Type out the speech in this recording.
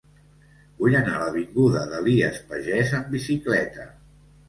Vull anar a l'avinguda d'Elies Pagès amb bicicleta.